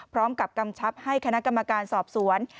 พร้อมกับกำชับให้คณะกรรมการสอบสวน